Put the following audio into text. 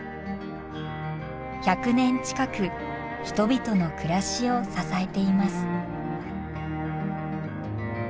１００年近く人々の暮らしを支えています。